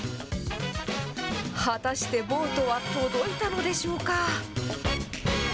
果たして、ボートは届いたのでしょうか。